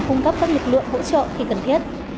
cung cấp các lực lượng hỗ trợ khi cần thiết